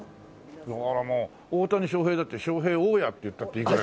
だからもう大谷翔平だってショウヘイオオヤっていったっていいぐらい。